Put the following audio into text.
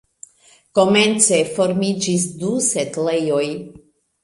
Komence formiĝis du setlejoj.